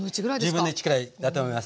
１０分の１くらいだと思います。